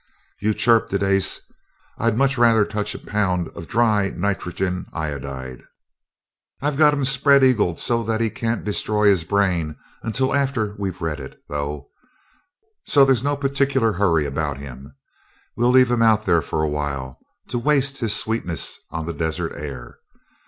"You chirped it, ace. I'd much rather touch a pound of dry nitrogen iodide. I've got him spread eagled so that he can't destroy his brain until after we've read it, though, so there's no particular hurry about him. We'll leave him out there for a while, to waste his sweetness on the desert air.